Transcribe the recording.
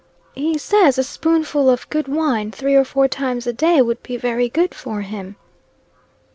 "He says a spoonful of good wine, three or four times a day, would be very good for him."